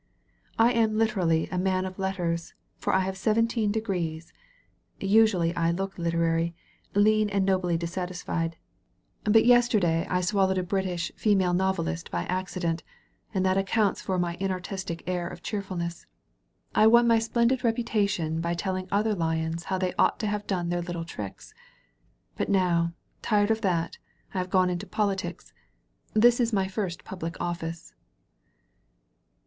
I am literally a man of letters, for I have seventeen degrees. Usually I look literary — lean and nobly dissatisfied, but yesterday I swallowed a British 225 THE VALLEY OF VISION Female Novelist by accident, and that accounts for my inartistic lur of cheerfulness. I won my splendid reputation by telling other Lions how they ought to have done their little tricks. But now» tired of that> I have gone into politics. This is my first public oflSce."